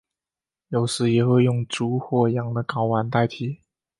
有时也会用猪或羊的睾丸代替。